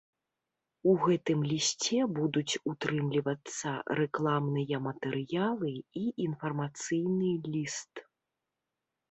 У гэтым лісце будуць утрымлівацца рэкламныя матэрыялы і інфармацыйны ліст.